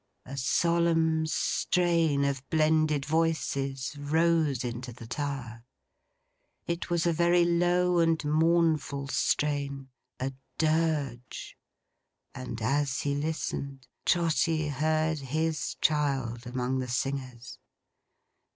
A solemn strain of blended voices, rose into the tower. It was a very low and mournful strain—a Dirge—and as he listened, Trotty heard his child among the singers.